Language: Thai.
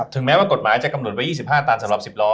แม้ว่ากฎหมายจะกำหนดไว้๒๕ตันสำหรับ๑๐ล้อ